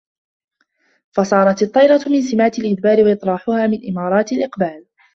فَصَارَتْ الطِّيَرَةُ مِنْ سِمَاتِ الْإِدْبَارِ وَاطِّرَاحُهَا مِنْ إمَارَاتِ الْإِقْبَالِ